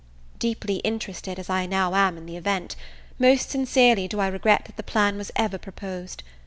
Deeply interested as I now am in the event, most sincerely do I regret that the plan was ever proposed.